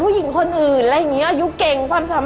การที่บูชาเทพสามองค์มันทำให้ร้านประสบความสำเร็จ